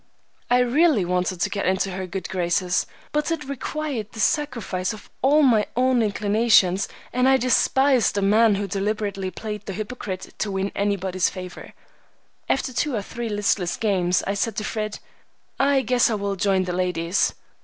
I really wanted to get into her good graces, but it required the sacrifice of all my own inclinations, and I despised a man who deliberately played the hypocrite to win anybody's favor. After two or three listless games I said to Fred, "I guess I will join the ladies."